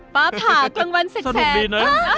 ปราบถาความวันเสร็จแสดงสนุกดีนะ